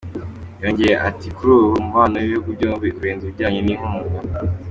Yongeyeho ati ″Kuri ubu umubano w’ibihugu byombi urenze ibijyanye n’inkunga.